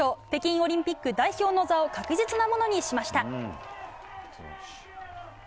北京オリンピック代表の座を確実なものにしました。